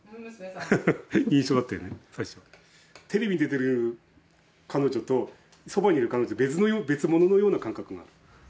テレビに出ている彼女とそばにいる彼女は別物のような感覚がある。